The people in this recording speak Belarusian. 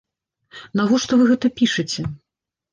Навошта вы гэта пішаце?